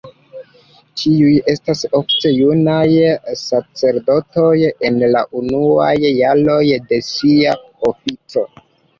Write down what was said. Tiuj estas ofte junaj sacerdotoj en la unuaj jaroj de sia ofico.